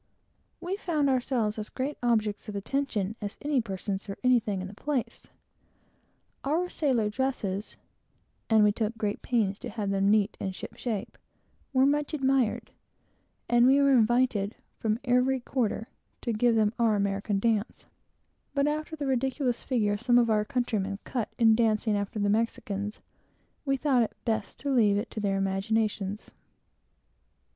We found ourselves as great objects of attention as any persons or anything at the place. Our sailor dresses and we took great pains to have them neat and shipshape were much admired, and we were invited, from every quarter, to give them an American sailor's dance; but after the ridiculous figure some of our countrymen cut, in dancing after the Spaniards, we thought it best to leave it to their imaginations.